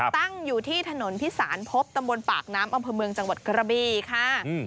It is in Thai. ตั้งอยู่ที่ถนนพิสารพบตำบลปากน้ำอำเภอเมืองจังหวัดกระบีค่ะ